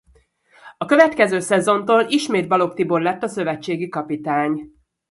A következő szezontól ismét Balogh Tibor lett a szövetségi kapitány.